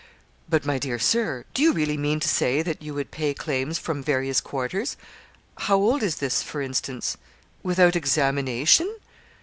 'But, my dear Sir, do you really mean to say that you would pay claims from various quarters how old is this, for instance? without examination!'